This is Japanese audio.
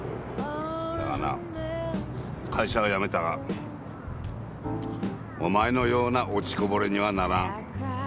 だがな会社は辞めたがお前のような落ちこぼれにはならん。